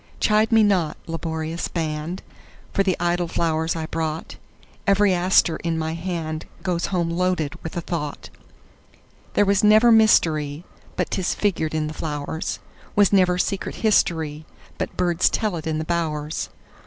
Chide me not, laborious band, For the idle flowers I brought; Every aster in my handGoes home loaded with a thought. There was never mysteryBut 'tis figured in the flowers; SWas never secret historyBut birds tell it in the bowers.